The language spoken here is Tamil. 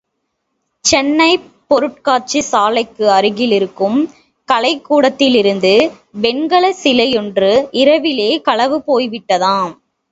சென்னைப் பொருட்காட்சி சாலைக்கு அருகிலிருக்கும் கலைக்கூடத்திலிருந்து வெண்கலச் சிலையொன்று இரவிலே களவு போய் விட்டதாம்.